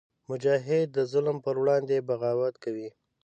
مجاهد د ظلم پر وړاندې بغاوت کوي.